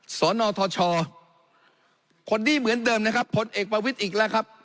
สนทชคนนี้เหมือนเดิมนะครับผลเอกประวิทย์อีกแล้วครับ